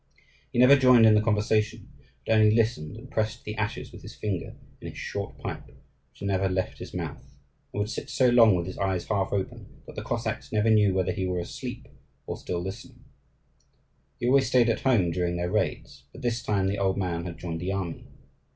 He never joined in the conversation, but only listened, and pressed the ashes with his finger in his short pipe, which never left his mouth; and would sit so long with his eyes half open, that the Cossacks never knew whether he were asleep or still listening. He always stayed at home during their raids, but this time the old man had joined the army.